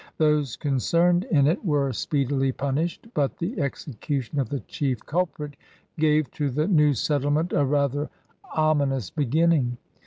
Those concerned in it were speedily punished, but the execution of the chief culprit gave to the new settlement a rather omin ous beginning.